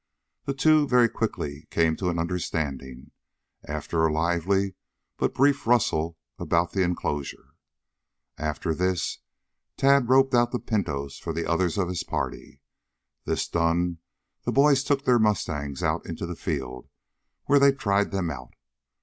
The two very quickly came to an understanding, after a lively but brief rustle about the enclosure. After this Tad roped out the pintos for the others of his party. This done, the boys took their mustangs out into the field, where they tried them out.